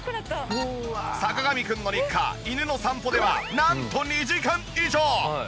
坂上くんの日課犬の散歩ではなんと２時間以上！